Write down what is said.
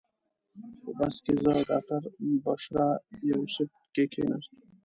په بس کې زه او ډاکټره بشرا یو سیټ کې کېناستو.